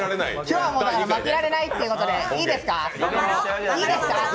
今日は負けられないってことで、いいですか？